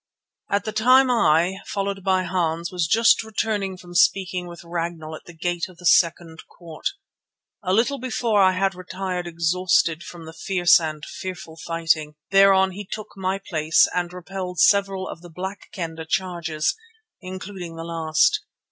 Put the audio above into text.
At the time I, followed by Hans, was just returning from speaking with Ragnall at the gate of the second court. A little before I had retired exhausted from the fierce and fearful fighting, whereon he took my place and repelled several of the Black Kendah charges, including the last.